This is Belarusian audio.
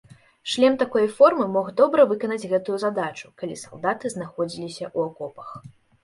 Шлем такой формы мог добра выканаць гэтую задачу, калі салдаты знаходзіліся ў акопах.